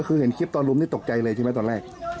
คือเห็นคลิปตอนลุมนี่ตกใจเลยใช่ไหมตอนแรก